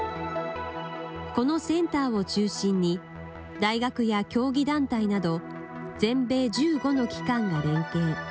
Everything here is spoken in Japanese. このセンターを中心に、大学や競技団体など、全米１５の機関が連携。